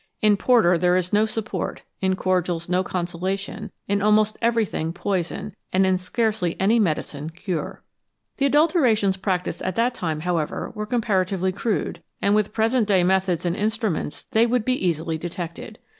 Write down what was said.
In porter there is no support, in cordials no consolation, in almost everything poison, and in scarcely any medicine cure/ 1 The adulterations practised at that time, however, were comparatively crude, and with present day methods and instruments they would be easily detected.